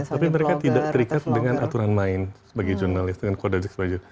tapi mereka tidak terikat dengan aturan main sebagai jurnalist dengan kodex baju